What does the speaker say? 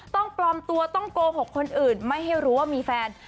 ปลอมตัวต้องโกหกคนอื่นไม่ให้รู้ว่ามีแฟน